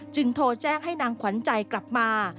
โทรแจ้งให้นางขวัญใจกลับมา